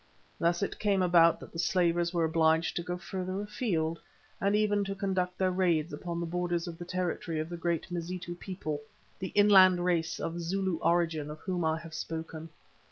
Thus it came about that the slavers were obliged to go further afield and even to conduct their raids upon the borders of the territory of the great Mazitu people, the inland race of Zulu origin of whom I have spoken.